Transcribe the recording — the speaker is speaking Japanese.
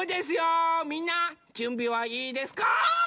みんなじゅんびはいいですか？